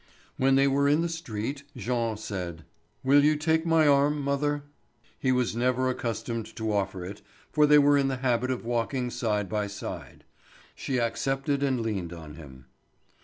When they were in the street Jean said: "Will you take my arm, mother?" He was never accustomed to offer it, for they were in the habit of walking side by side. She accepted and leaned on him.